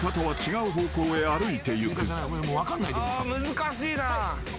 難しいな。